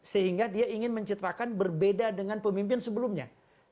sehingga dia ingin mencitrakan berbeda dengan pemimpin sebelumnya